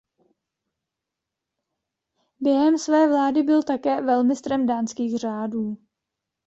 Během své vlády byl také velmistrem dánských řádů.